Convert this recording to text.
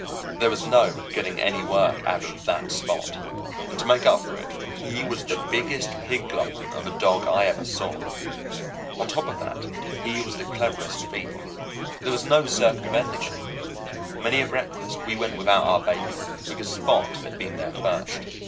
There was no getting any work out of that Spot; and to make up for it, he was the biggest pig glutton of a dog I ever saw. On top of that, he was the cleverest thief. These was no circumventing him. Many a breakfast we went without our bacon because Spot had been there first.